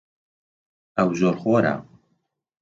ئەو زۆرخۆرە.